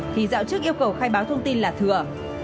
thì dạo trước yêu cầu khai báo thông tin là thừa